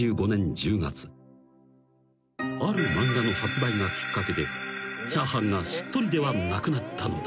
［ある漫画の発売がきっかけでチャーハンがしっとりではなくなったのだ］